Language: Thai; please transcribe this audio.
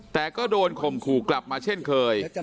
แต่ก็โดนข่มขู่กลับมาเช่นเคย